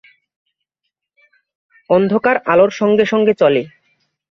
অন্ধকার আলোর সঙ্গে সঙ্গে চলে।